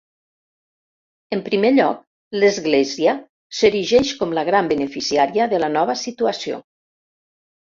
En primer lloc l'Església s'erigeix com la gran beneficiària de la nova situació.